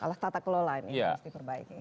alah tata kelola ini